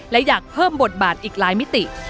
และอยากเพิ่มบทบาทอีกหลายมิติ